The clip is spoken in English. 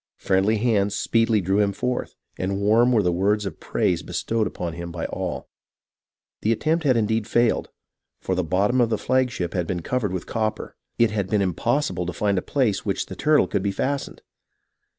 Friendly hands speedily drew him forth, and warm were the wprds of praise bestowed upon him by all. The attempt had indeed failed, for the bottom of the flagship had been covered with copper. It had been impossible to find a place to which the turtle could be fastened.